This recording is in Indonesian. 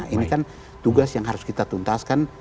ini kan tugas yang harus kita tuntaskan